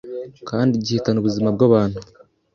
kandi gihitana ubuzima bw’abantu,